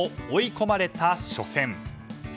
追い込まれた初戦。